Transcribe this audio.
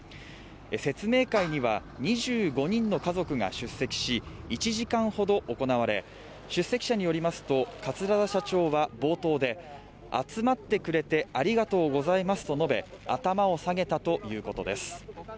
説明会には２５人の家族が出席し１時間ほど行われ出席者によりますと、桂田社長は冒頭で、集まってくれてありがとうございますと述べ、頭を下げたということです。